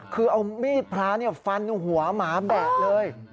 คือเอามีดพระฟันหัวหมาแบะเลย